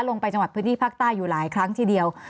ลงไปจังหวัดพื้นที่ภาคใต้อยู่หลายครั้งทีเดียว